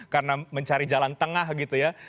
karena mencari jalan tengah gitu ya